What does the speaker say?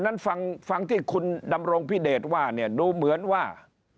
นั้นฟังที่คุณดำรงพิเดชว่าเนี่ยดูเหมือนว่า